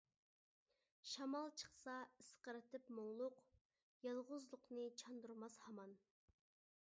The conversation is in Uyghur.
شامال چىقسا ئىسقىرتىپ مۇڭلۇق، يالغۇزلۇقنى چاندۇرماس ھامان.